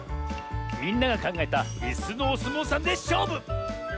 みんながかんがえたいすのおすもうさんでしょうぶ！